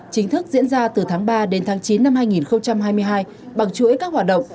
chính thức diễn ra từ tháng ba đến tháng chín năm hai nghìn hai mươi hai bằng chuỗi các hoạt động